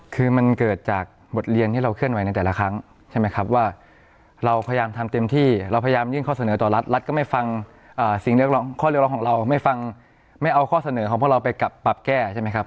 คือมันเกิดจากบทเรียนที่เราเคลื่อนไหวในแต่ละครั้งใช่ไหมครับว่าเราพยายามทำเต็มที่เราพยายามยื่นข้อเสนอต่อรัฐรัฐก็ไม่ฟังสิ่งเรียกร้องข้อเรียกร้องของเราไม่ฟังไม่เอาข้อเสนอของพวกเราไปกลับปรับแก้ใช่ไหมครับ